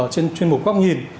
trên chuyên mục quốc nhìn